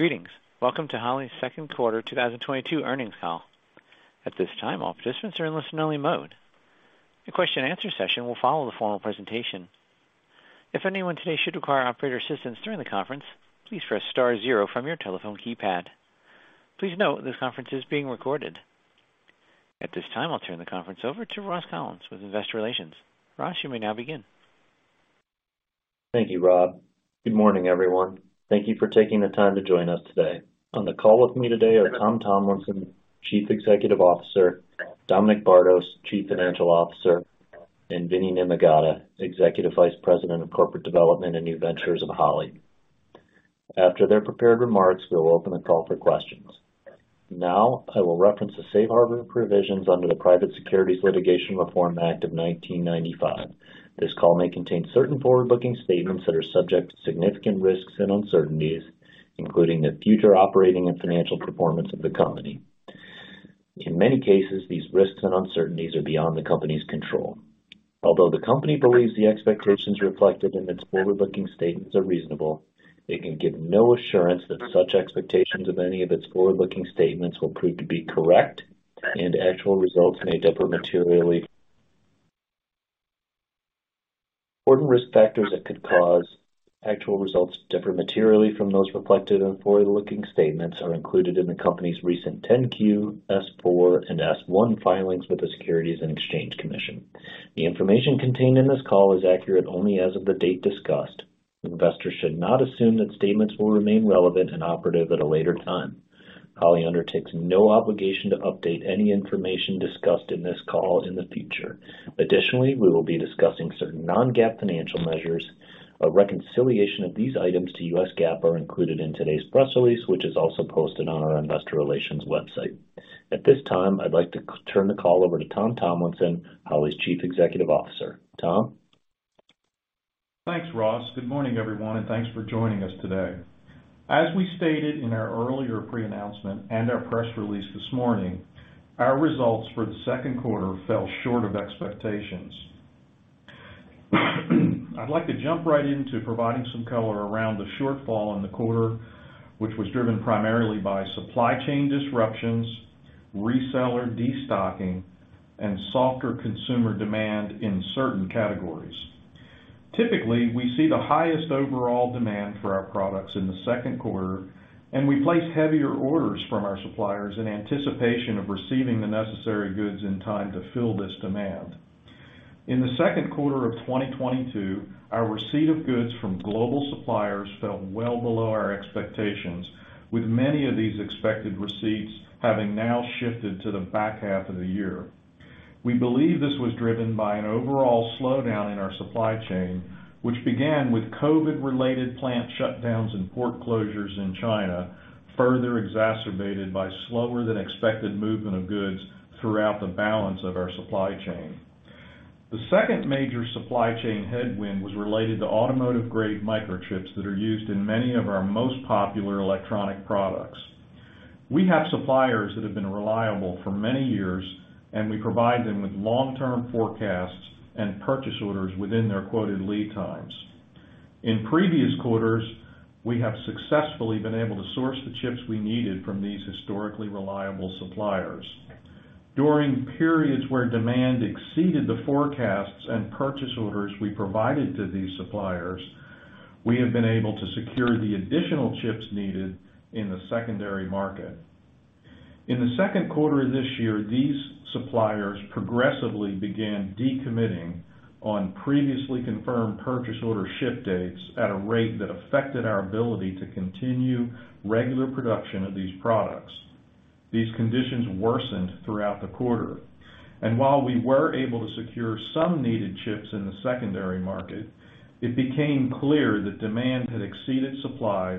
Greetings. Welcome to Holley's second quarter 2022 earnings call. At this time, all participants are in listen-only mode. A question answer session will follow the formal presentation. If anyone today should require operator assistance during the conference, please press star zero from your telephone keypad. Please note this conference is being recorded. At this time, I'll turn the conference over to Ross Collins with Investor Relations. Ross, you may now begin. Thank you, Rob. Good morning, everyone. Thank you for taking the time to join us today. On the call with me today are Tom Tomlinson, Chief Executive Officer, Dominic Bardos, Chief Financial Officer, and Vinod Nimmagadda, Executive Vice President of Corporate Development and New Ventures of Holley. After their prepared remarks, we'll open the call for questions. Now I will reference the safe harbor provisions under the Private Securities Litigation Reform Act of 1995. This call may contain certain forward-looking statements that are subject to significant risks and uncertainties, including the future operating and financial performance of the company. In many cases, these risks and uncertainties are beyond the company's control. Although the company believes the expectations reflected in its forward-looking statements are reasonable, it can give no assurance that such expectations of any of its forward-looking statements will prove to be correct and actual results may differ materially. Important risk factors that could cause actual results to differ materially from those reflected in forward-looking statements are included in the company's recent 10-Q, S-4, and S-1 filings with the Securities and Exchange Commission. The information contained in this call is accurate only as of the date discussed. Investors should not assume that statements will remain relevant and operative at a later time. Holley undertakes no obligation to update any information discussed in this call in the future. Additionally, we will be discussing certain non-GAAP financial measures. A reconciliation of these items to U.S. GAAP are included in today's press release, which is also posted on our investor relations website. At this time, I'd like to turn the call over to Tom Tomlinson, Holley's Chief Executive Officer. Tom? Thanks, Ross. Good morning, everyone, and thanks for joining us today. As we stated in our earlier pre-announcement and our press release this morning, our results for the second quarter fell short of expectations. I'd like to jump right into providing some color around the shortfall in the quarter, which was driven primarily by supply chain disruptions, reseller destocking, and softer consumer demand in certain categories. Typically, we see the highest overall demand for our products in the second quarter, and we place heavier orders from our suppliers in anticipation of receiving the necessary goods in time to fill this demand. In the second quarter of 2022, our receipt of goods from global suppliers fell well below our expectations, with many of these expected receipts having now shifted to the back half of the year. We believe this was driven by an overall slowdown in our supply chain, which began with COVID-related plant shutdowns and port closures in China, further exacerbated by slower than expected movement of goods throughout the balance of our supply chain. The second major supply chain headwind was related to automotive-grade microchips that are used in many of our most popular electronic products. We have suppliers that have been reliable for many years, and we provide them with long-term forecasts and purchase orders within their quoted lead times. In previous quarters, we have successfully been able to source the chips we needed from these historically reliable suppliers. During periods where demand exceeded the forecasts and purchase orders we provided to these suppliers, we have been able to secure the additional chips needed in the secondary market. In the second quarter of this year, these suppliers progressively began decommitting on previously confirmed purchase order ship dates at a rate that affected our ability to continue regular production of these products. These conditions worsened throughout the quarter. While we were able to secure some needed chips in the secondary market, it became clear that demand had exceeded supply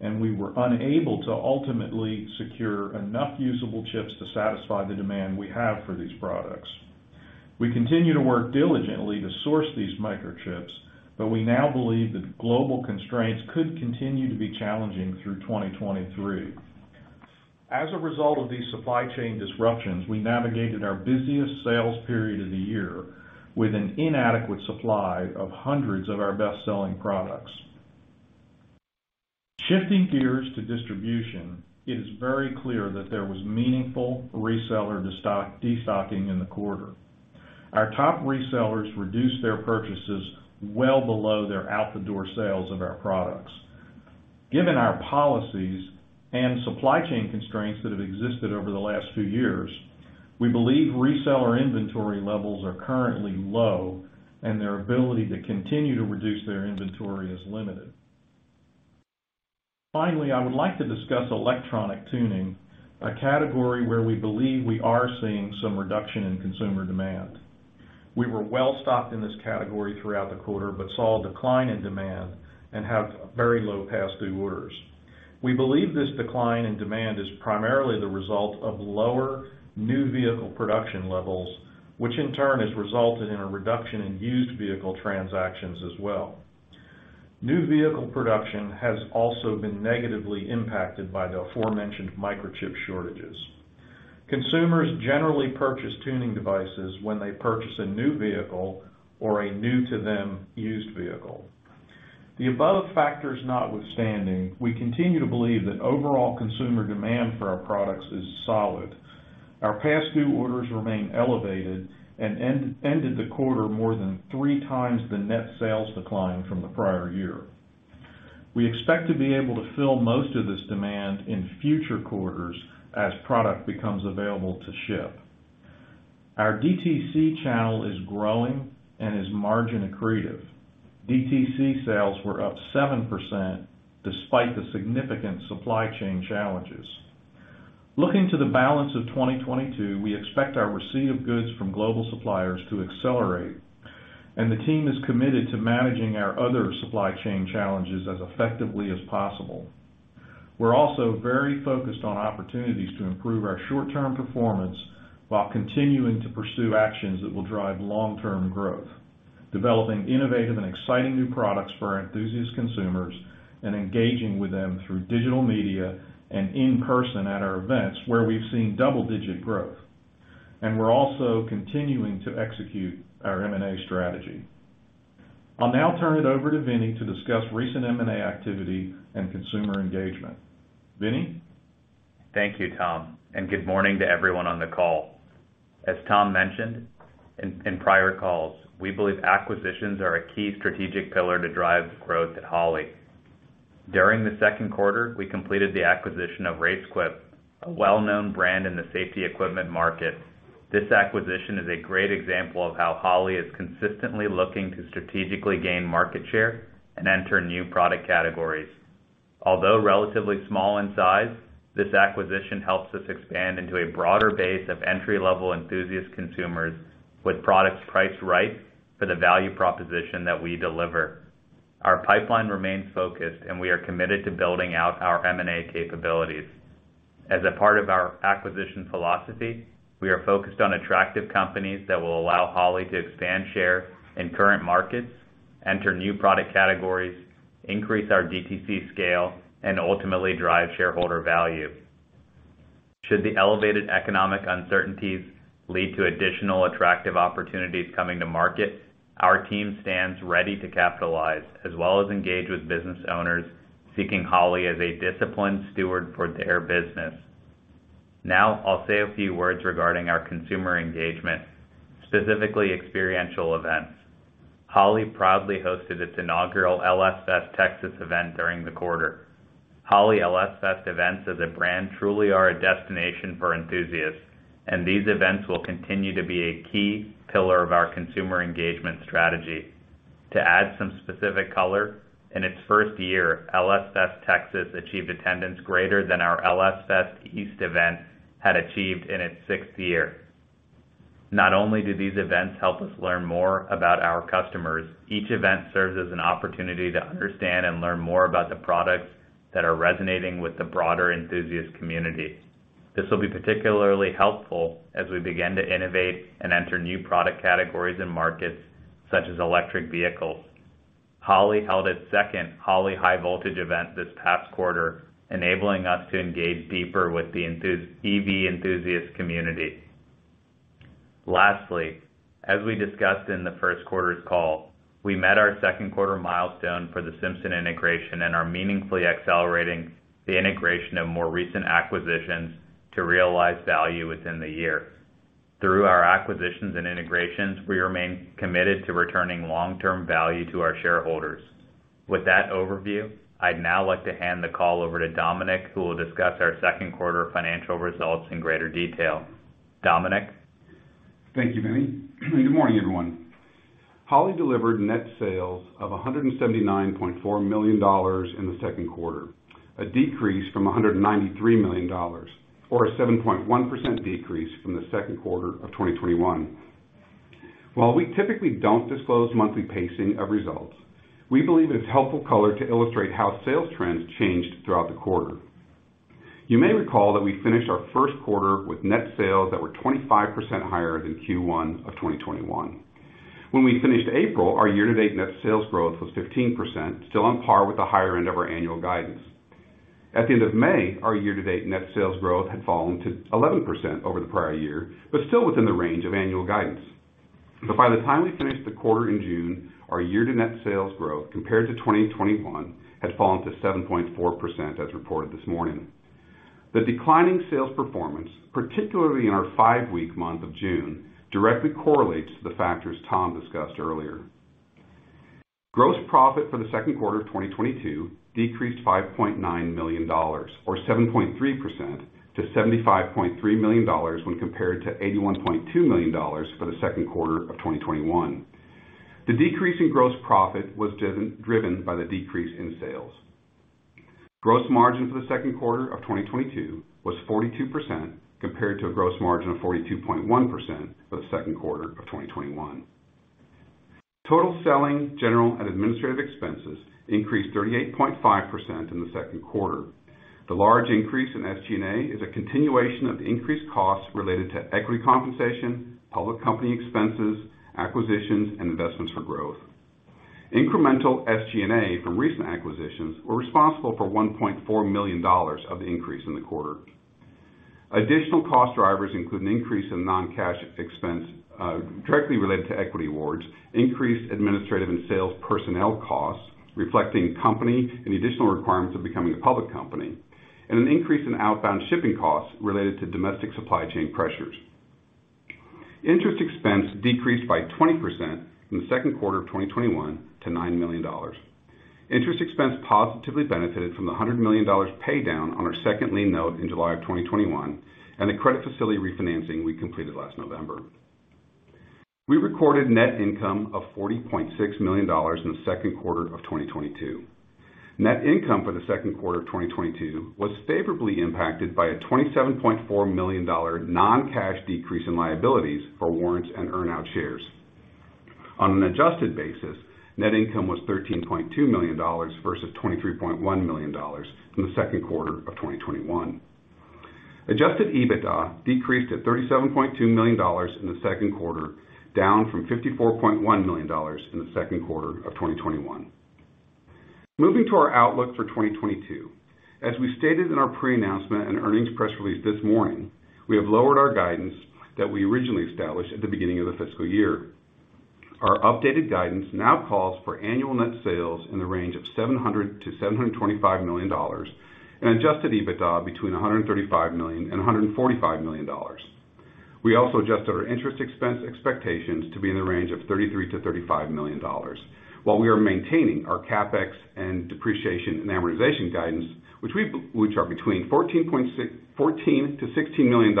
and we were unable to ultimately secure enough usable chips to satisfy the demand we have for these products. We continue to work diligently to source these microchips, but we now believe that global constraints could continue to be challenging through 2023. As a result of these supply chain disruptions, we navigated our busiest sales period of the year with an inadequate supply of hundreds of our best-selling products. Shifting gears to distribution, it is very clear that there was meaningful reseller destocking in the quarter. Our top resellers reduced their purchases well below their out the door sales of our products. Given our policies and supply chain constraints that have existed over the last few years, we believe reseller inventory levels are currently low and their ability to continue to reduce their inventory is limited. Finally, I would like to discuss electronic tuning, a category where we believe we are seeing some reduction in consumer demand. We were well stocked in this category throughout the quarter, but saw a decline in demand and have very low pass-through orders. We believe this decline in demand is primarily the result of lower new vehicle production levels, which in turn has resulted in a reduction in used vehicle transactions as well. New vehicle production has also been negatively impacted by the aforementioned microchip shortages. Consumers generally purchase tuning devices when they purchase a new vehicle or a new to them used vehicle. The above factors notwithstanding, we continue to believe that overall consumer demand for our products is solid. Our past due orders remain elevated and ended the quarter more than three times the net sales decline from the prior year. We expect to be able to fill most of this demand in future quarters as product becomes available to ship. Our DTC channel is growing and is margin accretive. DTC sales were up 7% despite the significant supply chain challenges. Looking to the balance of 2022, we expect our receipt of goods from global suppliers to accelerate, and the team is committed to managing our other supply chain challenges as effectively as possible. We're also very focused on opportunities to improve our short-term performance while continuing to pursue actions that will drive long-term growth, developing innovative and exciting new products for our enthusiast consumers and engaging with them through digital media and in person at our events where we've seen double-digit growth. We're also continuing to execute our M&A strategy. I'll now turn it over to Vinny to discuss recent M&A activity and consumer engagement. Vinny. Thank you, Tom, and good morning to everyone on the call. As Tom mentioned in prior calls, we believe acquisitions are a key strategic pillar to drive growth at Holley. During the second quarter, we completed the acquisition of RaceQuip, a well-known brand in the safety equipment market. This acquisition is a great example of how Holley is consistently looking to strategically gain market share and enter new product categories. Although relatively small in size, this acquisition helps us expand into a broader base of entry-level enthusiast consumers with products priced right for the value proposition that we deliver. Our pipeline remains focused, and we are committed to building out our M&A capabilities. As a part of our acquisition philosophy, we are focused on attractive companies that will allow Holley to expand share in current markets, enter new product categories, increase our DTC scale, and ultimately drive shareholder value. Should the elevated economic uncertainties lead to additional attractive opportunities coming to market, our team stands ready to capitalize as well as engage with business owners seeking Holley as a disciplined steward for their business. Now, I'll say a few words regarding our consumer engagement, specifically experiential events. Holley proudly hosted its inaugural LS Fest Texas event during the quarter. Holley LS Fest events as a brand truly are a destination for enthusiasts, and these events will continue to be a key pillar of our consumer engagement strategy. To add some specific color, in its first year, LS Fest Texas achieved attendance greater than our LS Fest East event had achieved in its sixth year. Not only do these events help us learn more about our customers, each event serves as an opportunity to understand and learn more about the products that are resonating with the broader enthusiast community. This will be particularly helpful as we begin to innovate and enter new product categories and markets, such as electric vehicles. Holley held its second Holley High Voltage event this past quarter, enabling us to engage deeper with the EV enthusiast community. Lastly, as we discussed in the first quarter's call, we met our second quarter milestone for the Simpson integration and are meaningfully accelerating the integration of more recent acquisitions to realize value within the year. Through our acquisitions and integrations, we remain committed to returning long-term value to our shareholders. With that overview, I'd now like to hand the call over to Dominic, who will discuss our second quarter financial results in greater detail. Dominic. Thank you, Vinny. Good morning, everyone. Holley delivered net sales of $179.4 million in the second quarter, a decrease from $193 million or a 7.1% decrease from the second quarter of 2021. While we typically don't disclose monthly pacing of results, we believe it is helpful color to illustrate how sales trends changed throughout the quarter. You may recall that we finished our first quarter with net sales that were 25% higher than Q1 of 2021. When we finished April, our year-to-date net sales growth was 15%, still on par with the higher end of our annual guidance. At the end of May, our year-to-date net sales growth had fallen to 11% over the prior year, but still within the range of annual guidance. By the time we finished the quarter in June, our year-to-date sales growth compared to 2021 had fallen to 7.4%, as reported this morning. The declining sales performance, particularly in our five-week month of June, directly correlates to the factors Tom discussed earlier. Gross profit for the second quarter of 2022 decreased $5.9 million or 7.3% to $75.3 million when compared to $81.2 million for the second quarter of 2021. The decrease in gross profit was driven by the decrease in sales. Gross margin for the second quarter of 2022 was 42% compared to a gross margin of 42.1% for the second quarter of 2021. Total selling, general, and administrative expenses increased 38.5% in the second quarter. The large increase in SG&A is a continuation of increased costs related to equity compensation, public company expenses, acquisitions, and investments for growth. Incremental SG&A from recent acquisitions were responsible for $1.4 million of the increase in the quarter. Additional cost drivers include an increase in non-cash expense directly related to equity awards, increased administrative and sales personnel costs reflecting company and the additional requirements of becoming a public company, and an increase in outbound shipping costs related to domestic supply chain pressures. Interest expense decreased by 20% from the second quarter of 2021 to $9 million. Interest expense positively benefited from the $100 million pay down on our second lien note in July of 2021 and the credit facility refinancing we completed last November. We recorded net income of $40.6 million in the second quarter of 2022. Net income for the second quarter of 2022 was favorably impacted by a $27.4 million non-cash decrease in liabilities for warrants and earn out shares. On an adjusted basis, net income was $13.2 million versus $23.1 million in the second quarter of 2021. Adjusted EBITDA decreased to $37.2 million in the second quarter, down from $54.1 million in the second quarter of 2021. Moving to our outlook for 2022. As we stated in our pre-announcement and earnings press release this morning, we have lowered our guidance that we originally established at the beginning of the fiscal year. Our updated guidance now calls for annual net sales in the range of $700 million-$725 million and adjusted EBITDA between $135 million and $145 million. We also adjusted our interest expense expectations to be in the range of $33 million-$35 million, while we are maintaining our CapEx and depreciation and amortization guidance, which are between $14 million-$16 million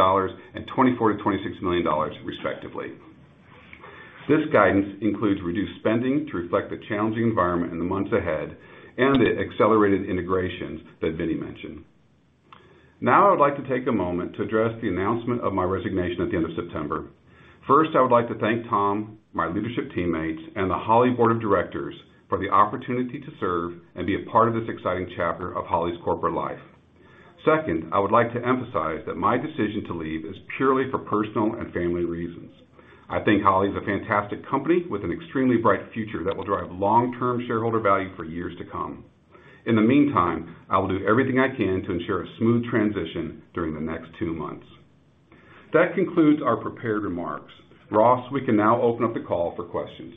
and $24 million-$26 million, respectively. This guidance includes reduced spending to reflect the challenging environment in the months ahead and the accelerated integrations that Vinny mentioned. Now I would like to take a moment to address the announcement of my resignation at the end of September. First, I would like to thank Tom, my leadership teammates, and the Holley Board of Directors for the opportunity to serve and be a part of this exciting chapter of Holley's corporate life. Second, I would like to emphasize that my decision to leave is purely for personal and family reasons. I think Holley is a fantastic company with an extremely bright future that will drive long-term shareholder value for years to come. In the meantime, I will do everything I can to ensure a smooth transition during the next two months. That concludes our prepared remarks. Ross, we can now open up the call for questions.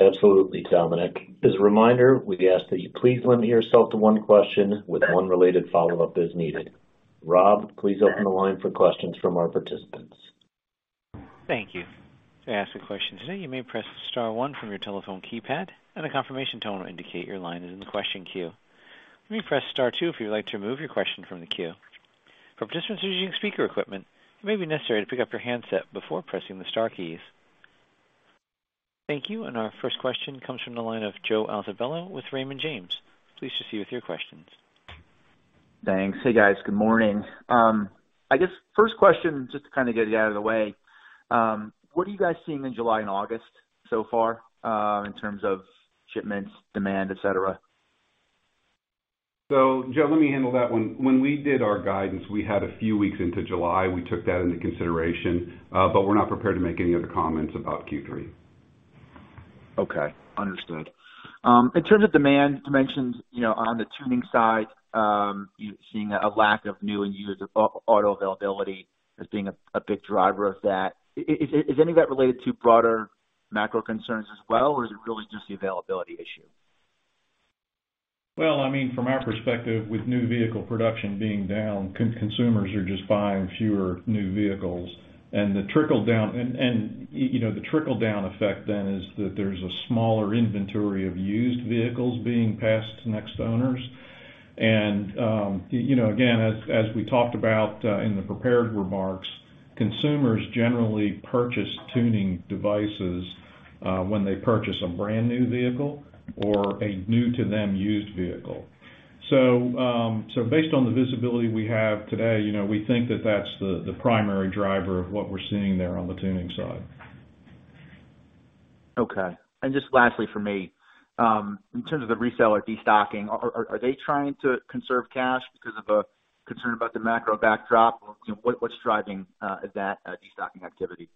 Absolutely, Dominic. As a reminder, we ask that you please limit yourself to one question with one related follow-up as needed. Rob, please open the line for questions from our participants. Thank you. To ask a question today, you may press star one from your telephone keypad, and a confirmation tone will indicate your line is in the question queue. You may press star two if you would like to remove your question from the queue. For participants using speaker equipment, it may be necessary to pick up your handset before pressing the star keys. Thank you. Our first question comes from the line of Joe Altobello with Raymond James. Please proceed with your questions. Thanks. Hey, guys. Good morning. I guess first question, just to kind of get it out of the way, what are you guys seeing in July and August so far, in terms of shipments, demand, et cetera? Joe, let me handle that one. When we did our guidance, we had a few weeks into July. We took that into consideration, but we're not prepared to make any other comments about Q3. Okay, understood. In terms of demand, you mentioned, you know, on the tuning side, you're seeing a lack of new and used auto availability as being a big driver of that. Is any of that related to broader macro concerns as well, or is it really just the availability issue? Well, I mean, from our perspective, with new vehicle production being down, consumers are just buying fewer new vehicles. You know, the trickle-down effect then is that there's a smaller inventory of used vehicles being passed to next owners. You know, again, as we talked about in the prepared remarks, consumers generally purchase tuning devices when they purchase a brand new vehicle or a new to them used vehicle. Based on the visibility we have today, you know, we think that that's the primary driver of what we're seeing there on the tuning side. Okay. Just lastly for me, in terms of the reseller destocking, are they trying to conserve cash because of a concern about the macro backdrop? What's driving that destocking activity?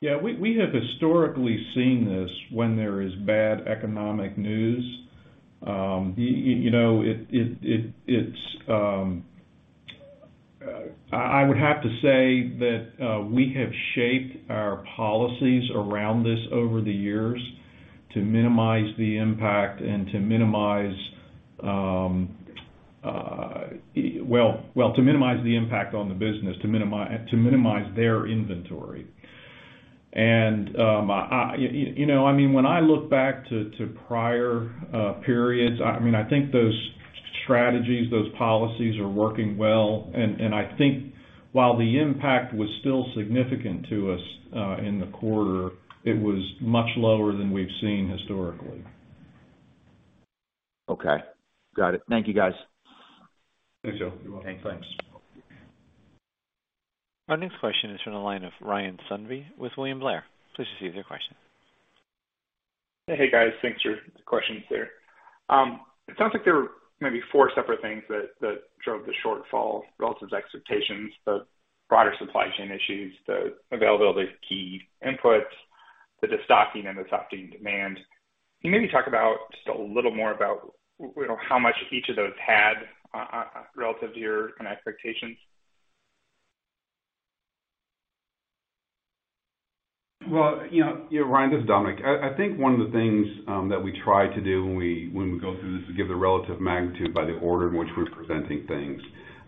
Yeah. We have historically seen this when there is bad economic news. I would have to say that we have shaped our policies around this over the years to minimize the impact and to minimize the impact on the business, to minimize their inventory. You know, I mean, when I look back to prior periods, I mean, I think those strategies, those policies are working well. I think while the impact was still significant to us in the quarter, it was much lower than we've seen historically. Okay. Got it. Thank you, guys. Thanks, Joe. You're welcome. Okay, thanks. Our next question is from the line of Ryan Sundby with William Blair. Please proceed with your question. Hey, guys. Thanks for the questions there. It sounds like there were maybe four separate things that drove the shortfall relative to expectations, the broader supply chain issues, the availability of key inputs, the destocking and the softening demand. Can you maybe talk about just a little more about, you know, how much each of those had relative to your kind of expectations? Well, you know, Ryan, this is Dominic. I think one of the things that we try to do when we go through this is give the relative magnitude by the order in which we're presenting things.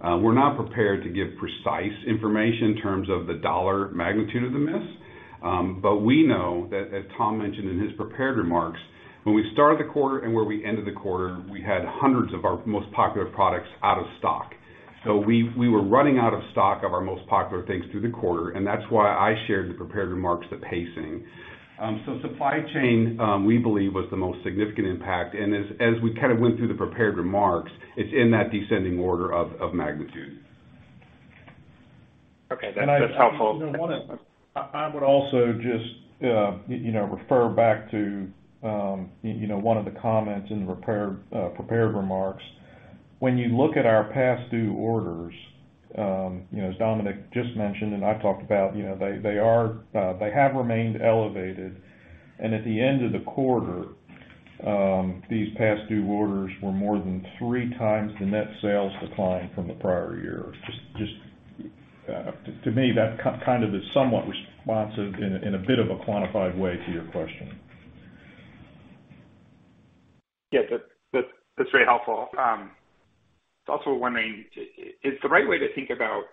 We're not prepared to give precise information in terms of the dollar magnitude of the miss. We know that as Tom mentioned in his prepared remarks, when we started the quarter and where we ended the quarter, we had hundreds of our most popular products out of stock. We were running out of stock of our most popular things through the quarter, and that's why I shared in the prepared remarks, the pacing. Supply chain, we believe was the most significant impact. As we kind of went through the prepared remarks, it's in that descending order of magnitude. Okay. That's helpful. I would also just, you know, refer back to, you know, one of the comments in the prepared remarks. When you look at our past due orders, you know, as Dominic just mentioned, and I talked about, you know, they have remained elevated. At the end of the quarter, these past due orders were more than three times the net sales decline from the prior year. Just to me, that kind of is somewhat responsive in a bit of a quantified way to your question. Yeah. That's very helpful. Was also wondering, is the right way to think about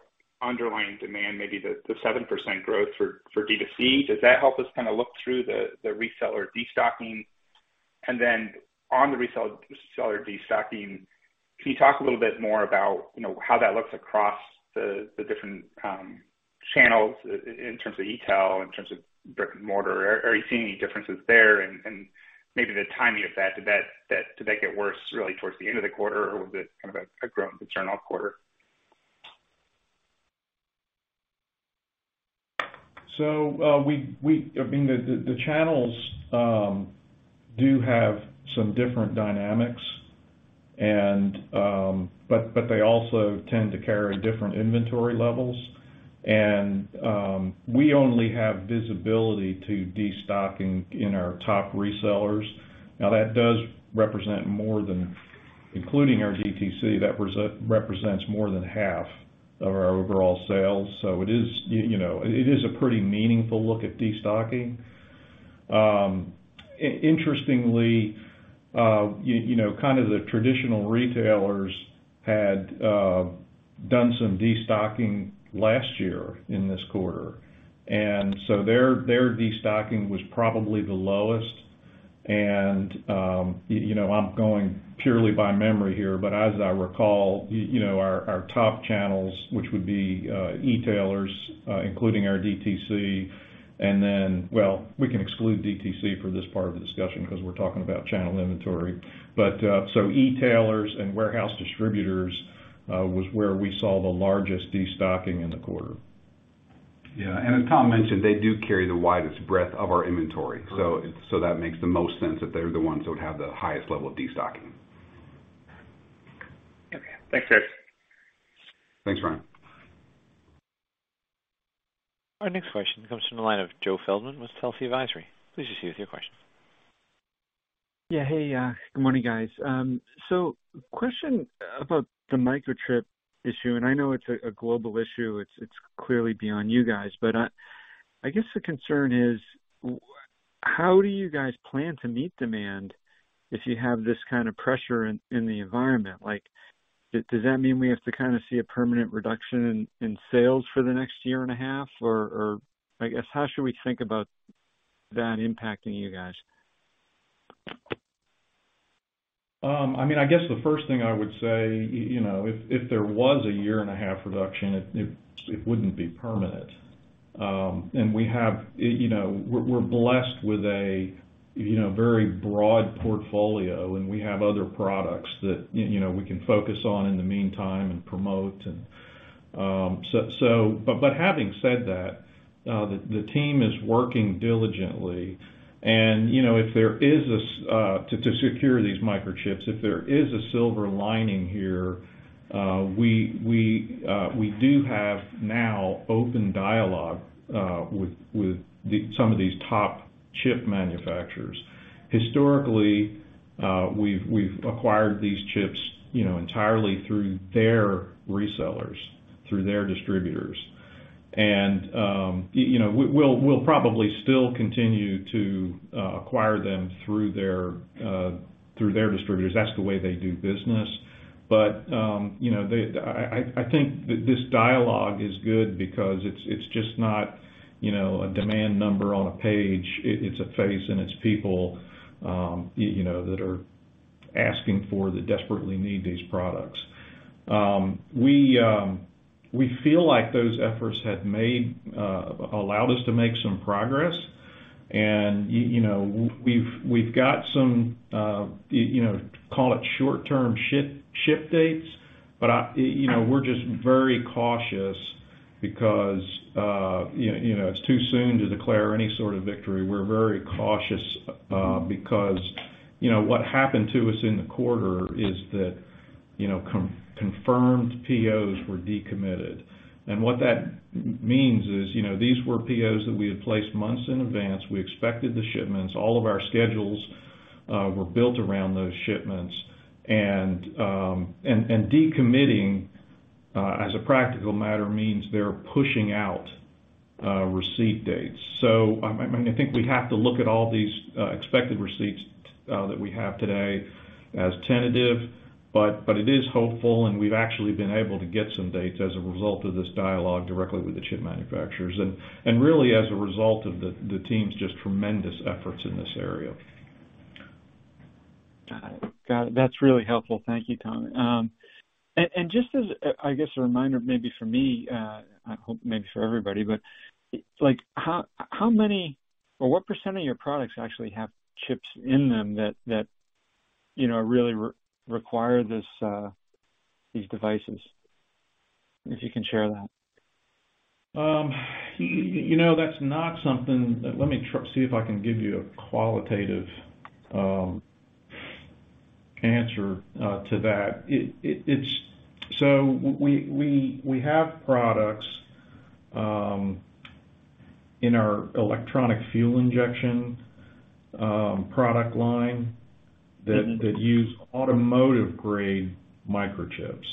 underlying demand, maybe the 7% growth for DTC? Does that help us kinda look through the reseller destocking? And then on the reseller destocking, can you talk a little bit more about, you know, how that looks across the different channels in terms of e-tail, in terms of brick-and-mortar? Are you seeing any differences there and maybe the timing of that? Did that get worse really towards the end of the quarter or was it kind of a throughout the quarter? I mean, the channels do have some different dynamics and they also tend to carry different inventory levels. We only have visibility to destocking in our top resellers. Now, that does represent, including our DTC, more than half of our overall sales. It is, you know, a pretty meaningful look at destocking. Interestingly, you know, kind of the traditional retailers had done some destocking last year in this quarter. Their destocking was probably the lowest. You know, I'm going purely by memory here, but as I recall, you know, our top channels, which would be e-tailers, including our DTC, and then. Well, we can exclude DTC for this part of the discussion 'cause we're talking about channel inventory. E-tailers and warehouse distributors was where we saw the largest destocking in the quarter. Yeah. As Tom mentioned, they do carry the widest breadth of our inventory. That makes the most sense that they're the ones that would have the highest level of destocking. Okay. Thanks, guys. Thanks, Ryan. Our next question comes from the line of Joe Feldman with Telsey Advisory. Please proceed with your question. Yeah. Hey, good morning, guys. Question about the microchip issue, and I know it's a global issue. It's clearly beyond you guys. I guess the concern is how do you guys plan to meet demand if you have this kind of pressure in the environment? Like, does that mean we have to kinda see a permanent reduction in sales for the next year and a half or I guess, how should we think about that impacting you guys? I mean, I guess the first thing I would say, you know, if there was a year and a half reduction, it wouldn't be permanent. We have, you know, we're blessed with a you know, very broad portfolio, and we have other products that you know, we can focus on in the meantime and promote and so. Having said that, the team is working diligently and, you know, to secure these microchips, if there is a silver lining here, we do have now open dialogue with some of these top chip manufacturers. Historically, we've acquired these chips, you know, entirely through their resellers, through their distributors. You know, we'll probably still continue to acquire them through their distributors. That's the way they do business. You know, I think this dialogue is good because it's just not, you know, a demand number on a page. It's a face and it's people, you know, that are asking for, that desperately need these products. We feel like those efforts have allowed us to make some progress. You know, we've got some, you know, call it short term ship dates, but, you know, we're just very cautious because, you know, it's too soon to declare any sort of victory. We're very cautious because, you know, what happened to us in the quarter is that, you know, confirmed POs were decommitted. What that means is, you know, these were POs that we had placed months in advance. We expected the shipments. All of our schedules were built around those shipments. Decommitting, as a practical matter, means they're pushing out receipt dates. I think we have to look at all these expected receipts that we have today as tentative. It is hopeful, and we've actually been able to get some dates as a result of this dialogue directly with the chip manufacturers and really as a result of the team's just tremendous efforts in this area. Got it. That's really helpful. Thank you, Tom. Just as, I guess, a reminder maybe for me, I hope maybe for everybody, but like, how many or what percent of your products actually have chips in them that you know, really require these devices? If you can share that. You know, that's not something. Let me see if I can give you a qualitative answer to that. It's. We have products in our electronic fuel injection product line that use automotive grade microchips.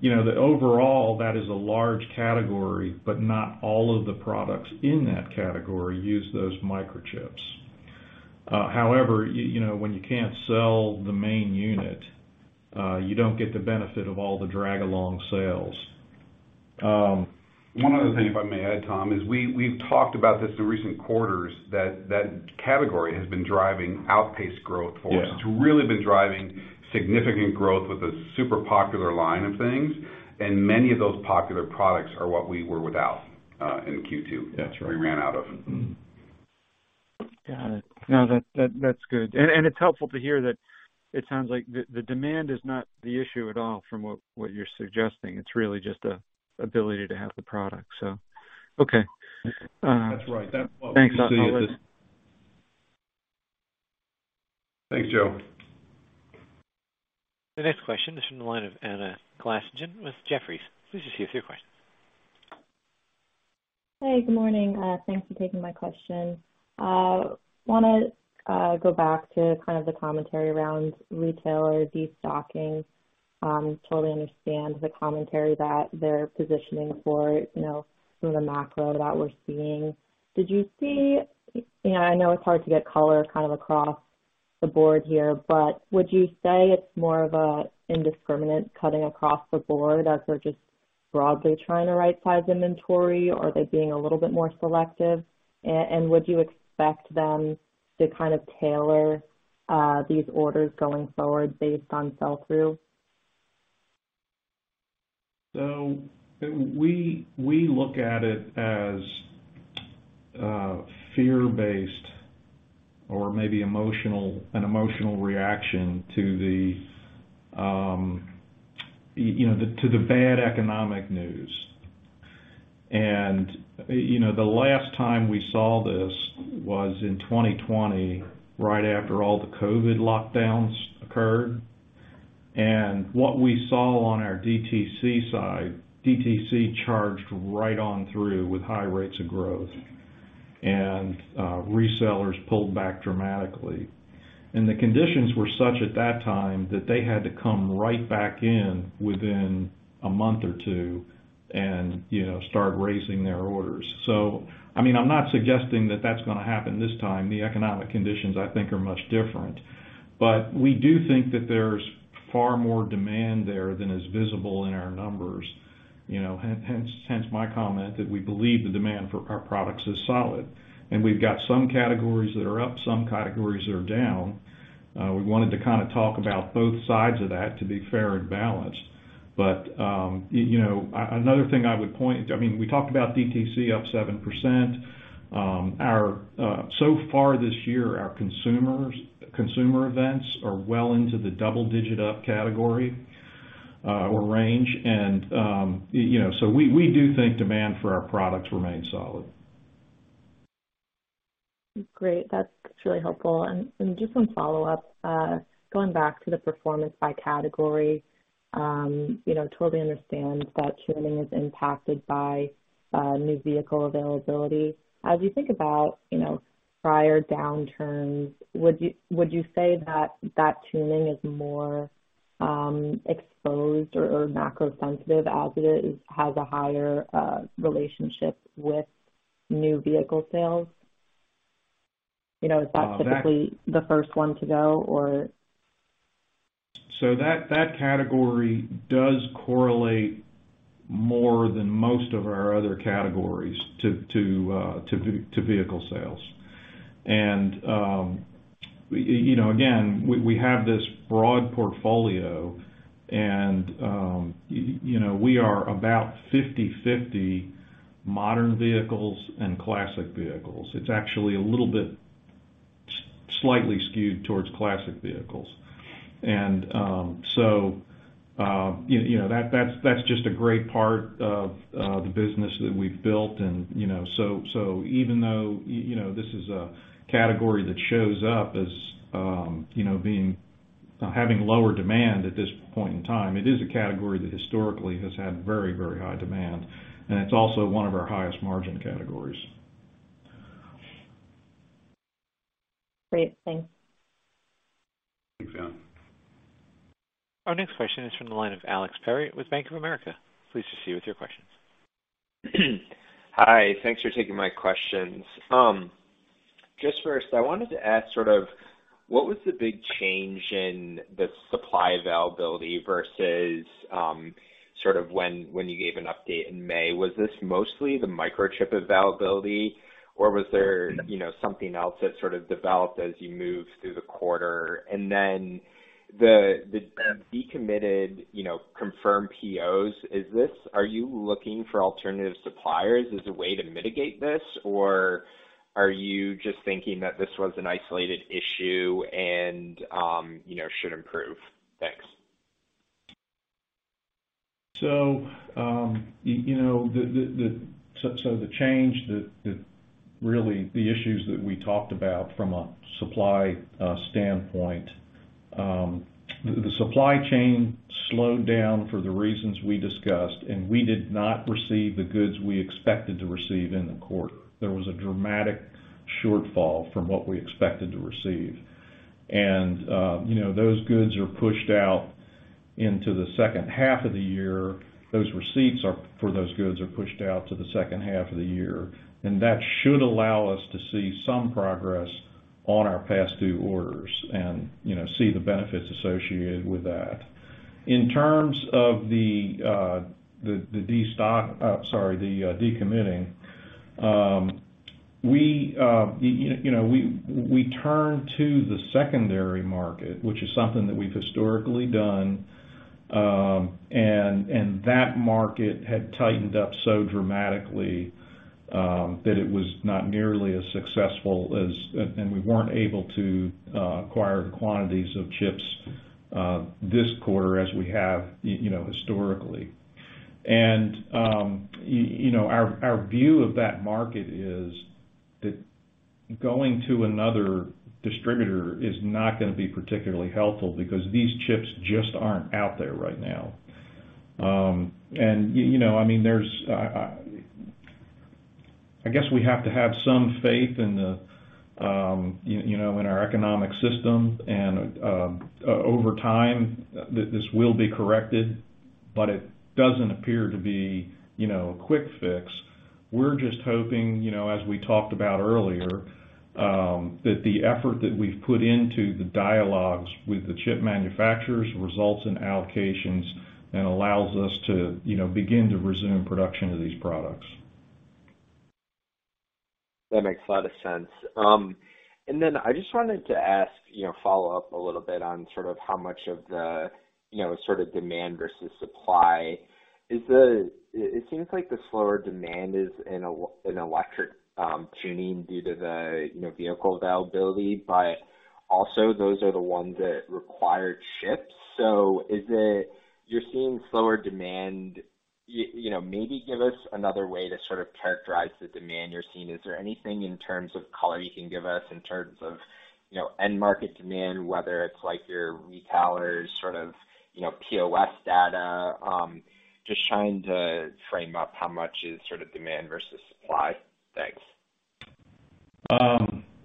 You know, the overall that is a large category, but not all of the products in that category use those microchips. However, you know, when you can't sell the main unit, you don't get the benefit of all the drag along sales. One other thing, if I may add, Tom, is we've talked about this in recent quarters, that category has been driving outpaced growth for us. Yeah. It's really been driving significant growth with a super popular line of things, and many of those popular products are what we were without, in Q2. That's right. We ran out of 'em. Mm-hmm. Got it. No, that's good. It's helpful to hear that it sounds like the demand is not the issue at all from what you're suggesting. It's really just the ability to have the product. Okay. That's right. Thanks, Tom. Thanks, Joe. The next question is from the line of Anna Glaessgen with Jefferies. Please just give your question. Hey, good morning. Thanks for taking my question. Wanna go back to kind of the commentary around retailer destocking. Totally understand the commentary that they're positioning for, you know, some of the macro that we're seeing. You know, I know it's hard to get color kind of across the board here, but would you say it's more of an indiscriminate cutting across the board as they're just broadly trying to right-size inventory, or are they being a little bit more selective? Would you expect them to kind of tailor these orders going forward based on sell-through? We look at it as fear-based or maybe emotional, an emotional reaction to you know, to the bad economic news. You know, the last time we saw this was in 2020, right after all the COVID lockdowns occurred. What we saw on our DTC side, DTC charged right on through with high rates of growth. Resellers pulled back dramatically. The conditions were such at that time that they had to come right back in within a month or two and you know, start raising their orders. I mean, I'm not suggesting that that's gonna happen this time. The economic conditions, I think, are much different. We do think that there's far more demand there than is visible in our numbers. You know, hence my comment that we believe the demand for our products is solid. We've got some categories that are up, some categories that are down. We wanted to kinda talk about both sides of that to be fair and balanced. You know, I mean, we talked about DTC up 7%. So far this year, our consumer events are well into the double digit up category or range. You know, so we do think demand for our products remain solid. Great. That's really helpful. Just some follow-up. Going back to the performance by category. You know, totally understand that tuning is impacted by new vehicle availability. As you think about, you know, prior downturns, would you say that tuning is more exposed or macro sensitive as it is has a higher relationship with new vehicle sales? You know, is that? Uh, that- Typically the first one to go or? That category does correlate more than most of our other categories to vehicle sales. You know, again, we have this broad portfolio and, you know, we are about 50/50 modern vehicles and classic vehicles. It's actually a little bit slightly skewed towards classic vehicles. You know, that's just a great part of the business that we've built and, you know. Even though you know, this is a category that shows up as, you know, having lower demand at this point in time, it is a category that historically has had very high demand, and it's also one of our highest margin categories. Great. Thanks. Thanks, Anna. Our next question is from the line of Alex Perry with Bank of America. Please proceed with your questions. Hi. Thanks for taking my questions. Just first, I wanted to ask sort of what was the big change in the supply availability versus sort of when you gave an update in May? Was this mostly the microchip availability, or was there, you know, something else that sort of developed as you moved through the quarter? Then the decommitted, you know, confirmed POs, is this are you looking for alternative suppliers as a way to mitigate this, or are you just thinking that this was an isolated issue and, you know, should improve? Thanks. You know, the change that really the issues that we talked about from a supply standpoint, the supply chain slowed down for the reasons we discussed, and we did not receive the goods we expected to receive in the quarter. There was a dramatic shortfall from what we expected to receive. You know, those goods are pushed out into the second half of the year. Those receipts for those goods are pushed out to the second half of the year, and that should allow us to see some progress on our past due orders and, you know, see the benefits associated with that. In terms of the decommitting, you know, we turn to the secondary market, which is something that we've historically done, and that market had tightened up so dramatically that it was not nearly as successful, and we weren't able to acquire the quantities of chips this quarter as we have you know, historically. You know, our view of that market is that going to another distributor is not gonna be particularly helpful because these chips just aren't out there right now. You know, I mean, I guess we have to have some faith in the you know, in our economic system and over time, this will be corrected, but it doesn't appear to be you know, a quick fix. We're just hoping, you know, as we talked about earlier, that the effort that we've put into the dialogues with the chip manufacturers results in allocations and allows us to, you know, begin to resume production of these products. That makes a lot of sense. I just wanted to ask, you know, follow up a little bit on sort of how much of the, you know, sort of demand versus supply. Is it the slower demand in electric tuning due to the, you know, vehicle availability, but also those are the ones that require chips? Is it you're seeing slower demand? You know, maybe give us another way to sort of characterize the demand you're seeing. Is there anything in terms of color you can give us in terms of, you know, end market demand, whether it's like your retailers sort of, you know, POS data? Just trying to frame up how much is sort of demand versus supply. Thanks.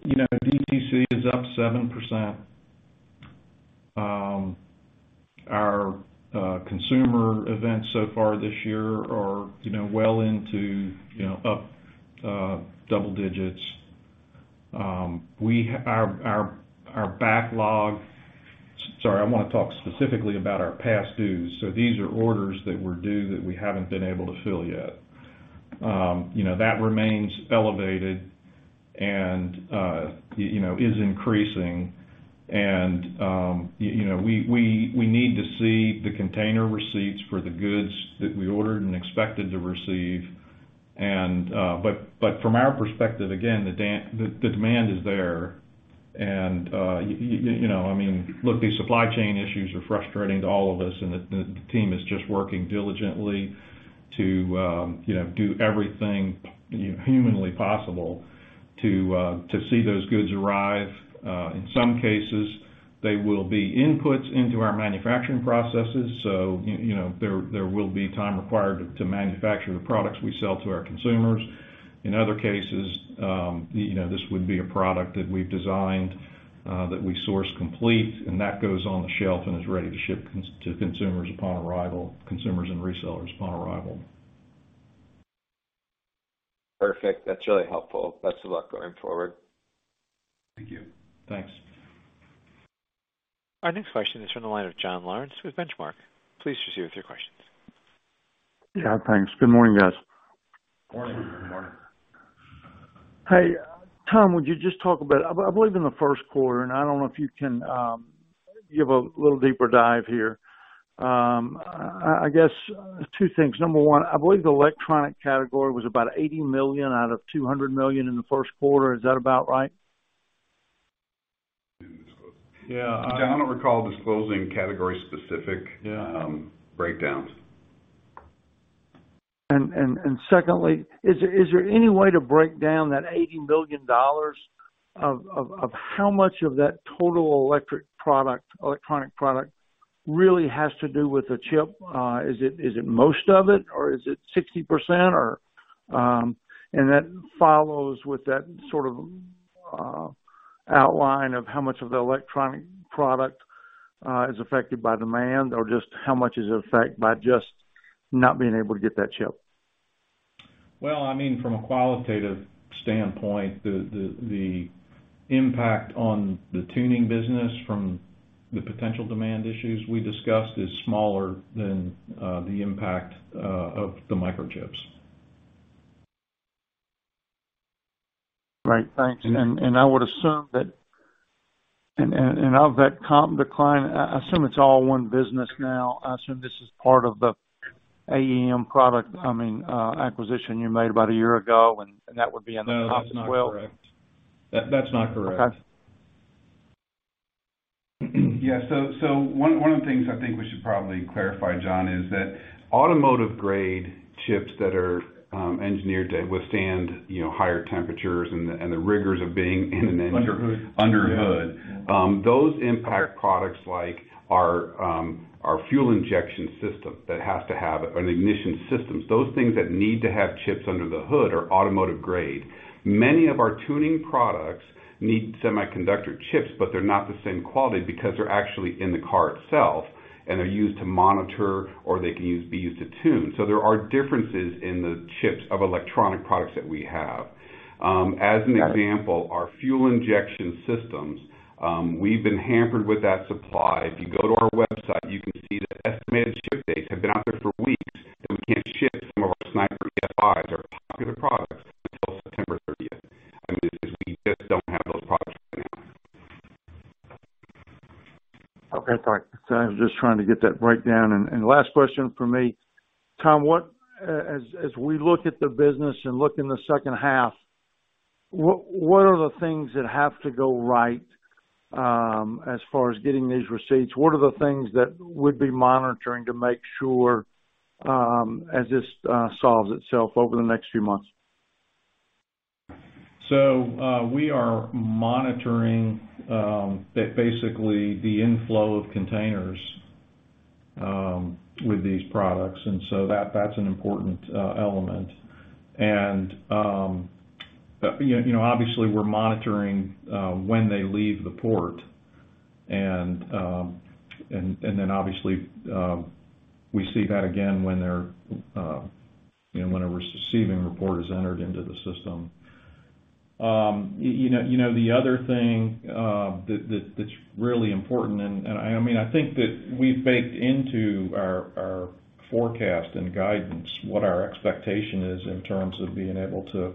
You know, DTC is up 7%. Our consumer events so far this year are, you know, well into, you know, up double digits. Our backlog. Sorry, I wanna talk specifically about our past dues. These are orders that were due that we haven't been able to fill yet. You know, that remains elevated and, you know, is increasing and, you know, we need to see the container receipts for the goods that we ordered and expected to receive. From our perspective, again, the demand is there and you know, I mean, look, these supply chain issues are frustrating to all of us and the team is just working diligently to you know, do everything you know, humanly possible to see those goods arrive. In some cases, they will be inputs into our manufacturing processes, so you know, there will be time required to manufacture the products we sell to our consumers. In other cases, you know, this would be a product that we've designed that we source complete, and that goes on the shelf and is ready to ship to consumers and resellers upon arrival. Perfect. That's really helpful. Best of luck going forward. Thank you. Thanks. Our next question is from the line of John Lawrence with Benchmark. Please proceed with your questions. Yeah, thanks. Good morning, guys. Morning. Good morning. Hey, Tom, would you just talk about, I believe in the first quarter, and I don't know if you can give a little deeper dive here. I guess two things. Number one, I believe the electronic category was about $80 million out of $200 million in the first quarter. Is that about right? Yeah. John, I don't recall disclosing category specific- Yeah. breakdowns. Secondly, is there any way to break down that $80 million of how much of that total electronic product really has to do with the chip? Is it most of it or is it 60%? That follows with that sort of outline of how much of the electronic product is affected by demand or just how much is affected by just not being able to get that chip. Well, I mean, from a qualitative standpoint, the impact on the tuning business from the potential demand issues we discussed is smaller than the impact of the microchips. Right. Thanks. I would assume of that comp decline, I assume it's all one business now. I assume this is part of the AEM product, I mean, acquisition you made about a year ago, and that would be in the comp as well. No, that's not correct. That's not correct. Okay. One of the things I think we should probably clarify, John, is that automotive grade chips that are engineered to withstand, you know, higher temperatures and the rigors of being in an engine- Under hood. Under the hood. Those impacted products like our fuel injection system that has to have an ignition systems. Those things that need to have chips under the hood are automotive grade. Many of our tuning products need semiconductor chips, but they're not the same quality because they're actually in the car itself, and they're used to monitor, or they can be used to tune. There are differences in the chips of electronic products that we have. As an example, our fuel injection systems, we've been hampered with that supply. If you go to our website, you can see the estimated ship dates have been out there for weeks, and we can't ship some of our Sniper EFIs, our popular products, until September 30th. I mean, we just don't have those products right now. Okay. Sorry. I'm just trying to get that breakdown. Last question from me. Tom, as we look at the business and look in the second half, what are the things that have to go right, as far as getting these receipts? What are the things that we'd be monitoring to make sure, as this solves itself over the next few months? We are monitoring basically the inflow of containers with these products, and so that's an important element. You know, obviously we're monitoring when they leave the port and then obviously we see that again when they're you know when a receiving report is entered into the system. You know the other thing that's really important and I mean I think that we've baked into our forecast and guidance what our expectation is in terms of being able to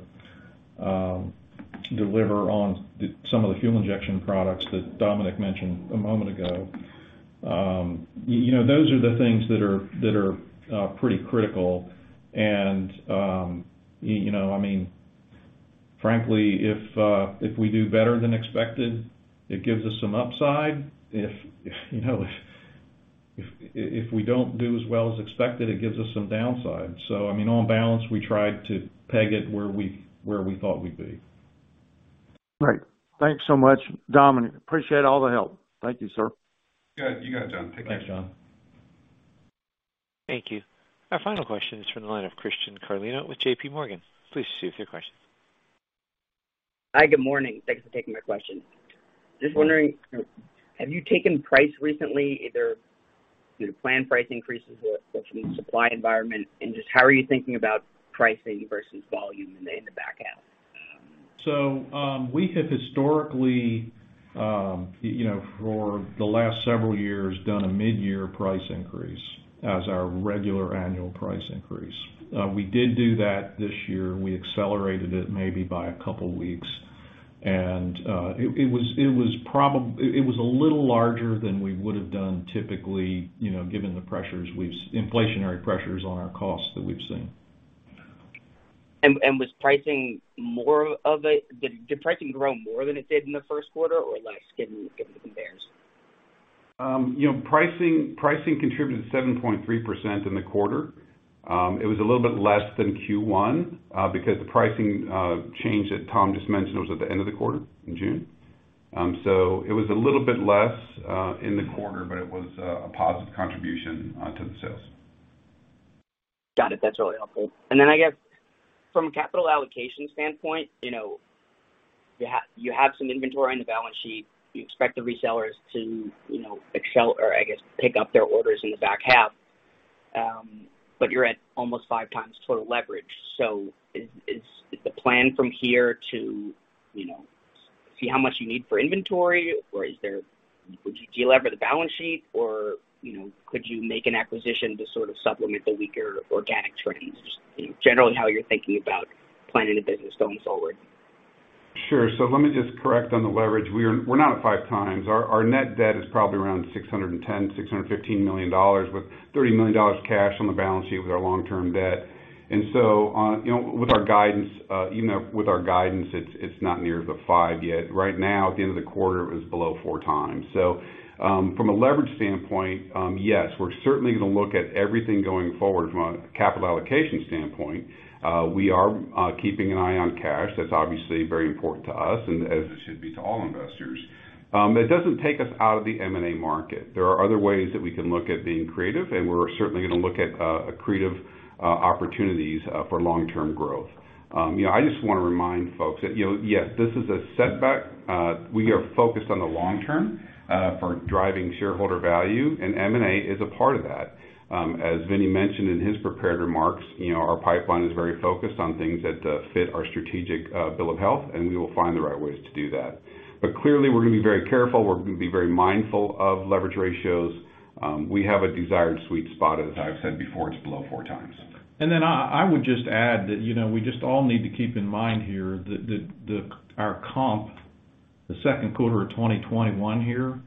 deliver on some of the fuel injection products that Dominic mentioned a moment ago. You know those are the things that are pretty critical and you know I mean frankly if we do better than expected it gives us some upside. If you know, if we don't do as well as expected, it gives us some downside. I mean, on balance, we tried to peg it where we thought we'd be. Great. Thanks so much, Dominic. Appreciate all the help. Thank you, sir. You got it, John. Take care. Thanks, John. Thank you. Our final question is from the line of Christian Carlino with JPMorgan. Please proceed with your question. Hi, good morning. Thanks for taking my question. Just wondering, have you taken price recently, either through the planned price increases or from the supply environment? Just how are you thinking about pricing versus volume in the back half? We have historically, you know, for the last several years, done a mid-year price increase as our regular annual price increase. We did do that this year. We accelerated it maybe by a couple weeks. It was a little larger than we would have done typically, you know, given the inflationary pressures on our costs that we've seen. Did pricing grow more than it did in the first quarter or less, given the comps? You know, pricing contributed 7.3% in the quarter. It was a little bit less than Q1 because the pricing change that Tom just mentioned was at the end of the quarter in June. It was a little bit less in the quarter, but it was a positive contribution to the sales. Got it. That's really helpful. Then I guess from a capital allocation standpoint, you know, you have some inventory on the balance sheet. You expect the resellers to, you know, excel or, I guess, pick up their orders in the back half. You're at almost five times total leverage. Is the plan from here to, you know, see how much you need for inventory? Or would you delever the balance sheet or, you know, could you make an acquisition to sort of supplement the weaker organic trends? Just generally how you're thinking about planning the business going forward. Sure. Let me just correct on the leverage. We're not at 5x. Our net debt is probably around $610 million-$615 million with $30 million cash on the balance sheet with our long-term debt. With our guidance, even with our guidance, it's not near the 5x yet. Right now, at the end of the quarter, it was below 4x. From a leverage standpoint, yes, we're certainly gonna look at everything going forward from a capital allocation standpoint. We're keeping an eye on cash. That's obviously very important to us and as it should be to all investors. It doesn't take us out of the M&A market. There are other ways that we can look at being creative, and we're certainly gonna look at accretive opportunities for long-term growth. You know, I just wanna remind folks that, you know, yes, this is a setback. We are focused on the long term for driving shareholder value, and M&A is a part of that. As Vinnie mentioned in his prepared remarks, you know, our pipeline is very focused on things that fit our strategic bill of health, and we will find the right ways to do that. Clearly, we're gonna be very careful. We're gonna be very mindful of leverage ratios. We have a desired sweet spot, as I've said before, it's below 4x. I would just add that, you know, we just all need to keep in mind here that our comp, the second quarter of 2021 here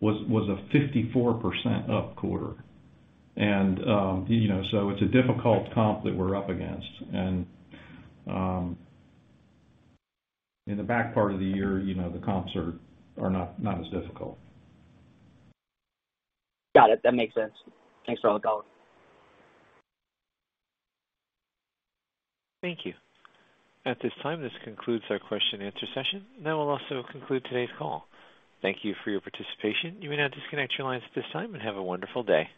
was a 54% up quarter. It's a difficult comp that we're up against. In the back part of the year, you know, the comps are not as difficult. Got it. That makes sense. Thanks for all the color. Thank you. At this time, this concludes our question and answer session. That will also conclude today's call. Thank you for your participation. You may now disconnect your lines at this time and have a wonderful day.